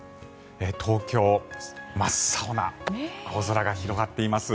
東京、真っ青な青空が広がっています。